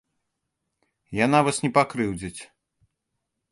Яна вас не пакрыўдзіць.